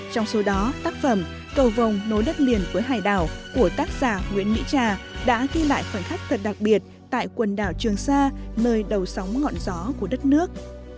trong số đó tác phẩm cầu vòng nối đất liền với hải đảo của tác giả nguyễn mỹ trà đã ghi lại khoảnh khắc thật đặc biệt tại quần đảo trường sa nơi đầu sóng ngọn gió của đất nước